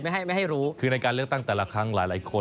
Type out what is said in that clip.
ไม่ให้ไม่ให้รู้คือในการเลือกตั้งแต่ละครั้งหลายหลายคน